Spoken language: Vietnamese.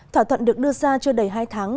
thỏa thuận được đưa ra chưa đầy hai tháng